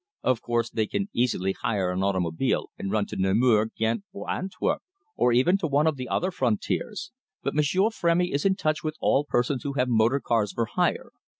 "Of course, they can easily hire an automobile and run to Namur, Ghent, or Antwerp or even to one or other of the frontiers. But M'sieur Frémy is in touch with all persons who have motor cars for hire.